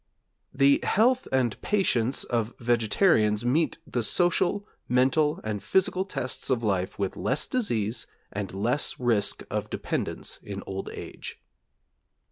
The health and patience of vegetarians meet the social, mental and physical tests of life with less disease, and less risk of dependence in old age.